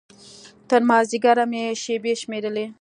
تر مازديګره مې شېبې شمېرلې.